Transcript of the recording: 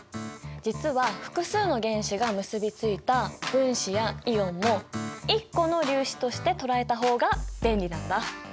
実は複数の原子が結びついた分子やイオンも１個の粒子として捉えた方が便利なんだ。